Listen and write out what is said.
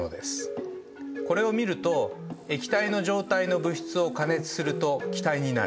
これを見ると液体の状態の物質を加熱すると気体になる。